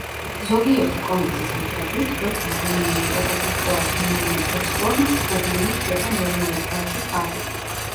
ზოგიერთი კომიქსის მიხედვით, როცა ადამიანი ობობა კლავს ნორმან ოსბორნს, გობლინი ხდება ნორმანის ვაჟი ჰარი.